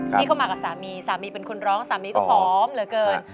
ที่เข้ามากับสามีสามีเป็นคนร้องสามีก็ผอมเหลือเกิน